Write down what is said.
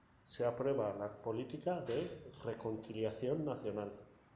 Se aprueba la política de reconciliación nacional.